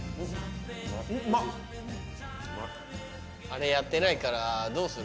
あれやってないからどうする？